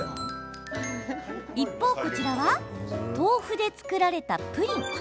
一方、こちらは豆腐で作られたプリン。